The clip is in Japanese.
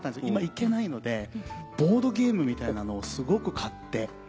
今行けないのでボードゲームみたいなのをすごく買って。